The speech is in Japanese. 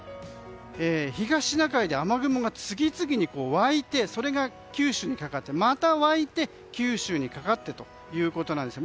東シナ海で雨雲が次々に湧いてそれが九州にかかってまた湧いて九州にかかってということなんです。